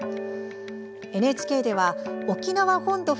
ＮＨＫでは沖縄本土